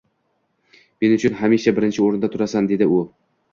Men uchun hamisha birinchi o'rinda turasan, dedi u